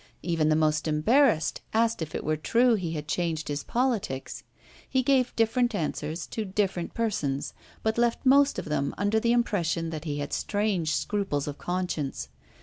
Even the most embarrassed asked if it were true he had changed his politics. He gave different answers to different persons, but left most of them under the impression that he had strange scruples of conscience.